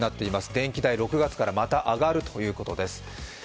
電気代、６月からまた上がるということです。